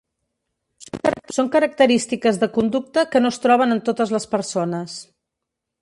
Són característiques de conducta que no es troben en totes les persones.